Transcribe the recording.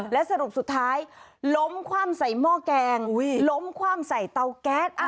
และสรุปสุดท้ายล้มคว่ำใส่หม้อแกงล้มคว่ำใส่เตาแก๊ส